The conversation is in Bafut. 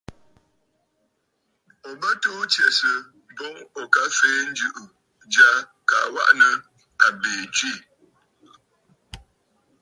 Ò bə tuu tsɛ̀sə̀ boŋ ò ka fèe njɨ̀ʼɨ̀ jya kaa waʼà nɨ̂ àbìì tswə̂.